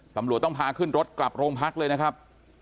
ตำรวจต้องพาขึ้นรถกลับโรงพักเลยนะครับ